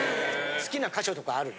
好きな箇所とかあるの？